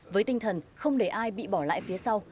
với tinh thần không để ai bị bỏ lại phía sau